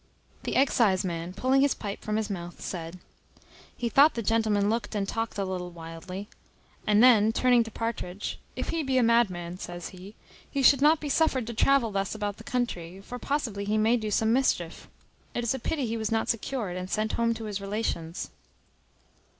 The exciseman, pulling his pipe from his mouth, said, "He thought the gentleman looked and talked a little wildly;" and then turning to Partridge, "if he be a madman," says he, "he should not be suffered to travel thus about the country; for possibly he may do some mischief. It is a pity he was not secured and sent home to his relations."